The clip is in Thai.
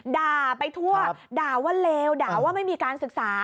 ด่าไปทั่วด่าว่าเลวด่าว่าไม่มีการศึกษา